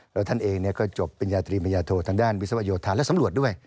แล้วท่านเองก็จบปริญญาตรีมยาโททางด้านวิศวโยธาและสำรวจด้วย